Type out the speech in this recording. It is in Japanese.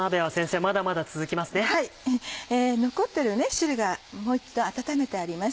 残ってる汁がもう一度温めてあります。